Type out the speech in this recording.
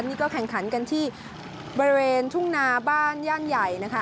นี่ก็แข่งขันกันที่บริเวณทุ่งนาบ้านย่านใหญ่นะคะ